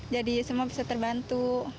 jadi semua bisa terbantu